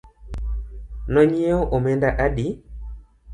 No nyiewo omenda adi